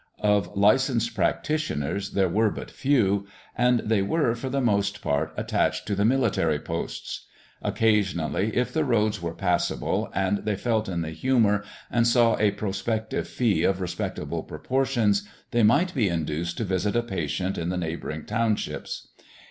Of licensed practitioners there were but few; and they were, for the most part, attached to the military posts. Occasionally, if the roads were passable, and they felt in the humour and saw a prospective fee of respectable proportions, they might be induced to visit a patient in the neighbouring townships.